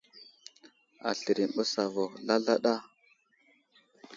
Aslər i məɓəs avuhw zlazlaɗa.